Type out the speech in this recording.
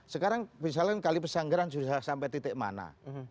sekarang misalnya kali pesanggeran sudah sampai titik mana